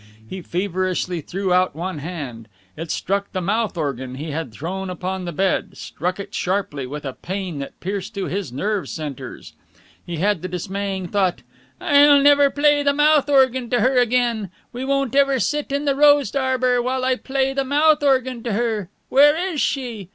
He feverishly threw out one hand. It struck the mouth organ he had thrown upon the bed, struck it sharply, with a pain that pierced to his nerve centers. He had the dismaying thought, "I'll never play the mouth organ to her again.... We won't ever sit in the rose arbor while I play the mouth organ to her. Where is she?